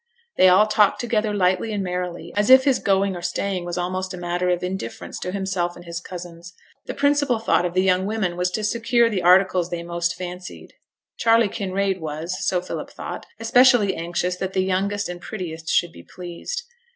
They all talked together lightly and merrily, as if his going or staying was almost a matter of indifference to himself and his cousins. The principal thought of the young women was to secure the articles they most fancied; Charley Kinraid was (so Philip thought) especially anxious that the youngest and prettiest should be pleased.